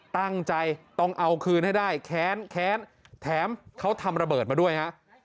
ตั้งใจต้องเอาคืนให้ได้แค้นแค้นแถมเขาทำระเบิดมาด้วยฮะ